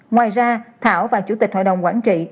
ngoài ra thảo và chủ tịch hội đồng quản trị